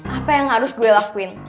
apa yang harus gue lakuin